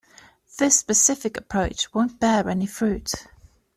This specific approach won't bear any fruit.